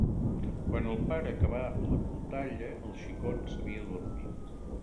Quan el pare acabà la contalla, el xicon s'havia adormit.